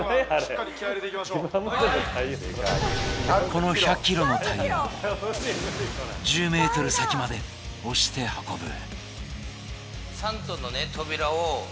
この１００ｋｇのタイヤを１０ｍ先まで押して運ぶ